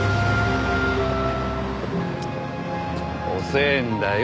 遅えんだよ。